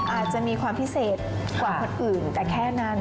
อาจจะมีความพิเศษกว่าคนอื่นแต่แค่นั้น